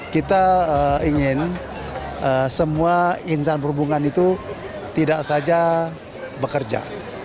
kita ingin semua insan perhubungan itu tidak saja bekerja